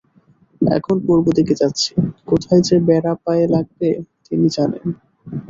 এখন পূর্বদিকে যাচ্ছি, কোথায় যে বেড়া পায়ে লাগবে, তিনি জানেন।